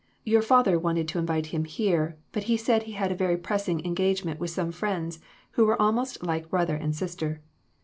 " Your father wanted to invite him here ; but he said he had a very pressing engagement with some friends who were almost like brother and sister.